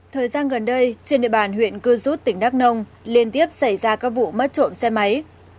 thời gian gần đây trên địa bàn huyện cư rút tỉnh đắk nông liên tiếp xảy ra các vụ mất trộm xe máy